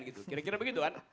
kira kira begitu kan